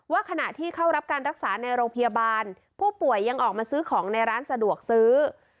ขณะที่เข้ารับการรักษาในโรงพยาบาลผู้ป่วยยังออกมาซื้อของในร้านสะดวกซื้อ